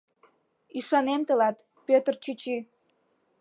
Ӱшанем тылат, Пӧтыр чӱчӱ.